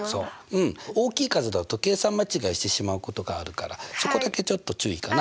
うん大きい数だと計算間違いしてしまうことがあるからそこだけちょっと注意かな。